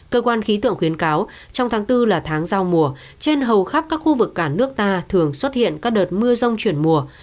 cơ quan khí tượng khuyến cáo trong tháng bốn là tháng giao mùa trên hầu khắp các khu vực cả nước ta thường xuất hiện các đợt mưa rông chuyển mùa